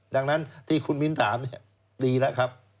ดังนั้นที่คุณบิลถามดีละครับ